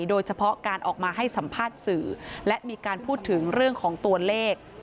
โดยเฉพาะการออกมาให้สัมภาษณ์สื่อและมีการพูดถึงเรื่องของตัวเลข